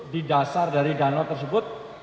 di dasar dari danau tersebut